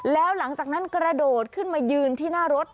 แล้วหลังจากนั้นกระโดดขึ้นมายืนที่หน้ารถ